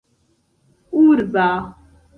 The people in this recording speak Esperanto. urba